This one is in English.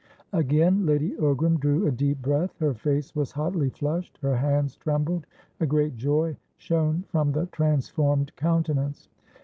Again Lady Ogram drew a deep breath. Her face was hotly flushed; her hands trembled; a great joy shone from the transformed countenance.